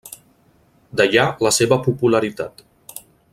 D'allà la seva popularitat.